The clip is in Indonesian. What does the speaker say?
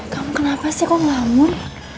kamu kenapa sih kok ngamur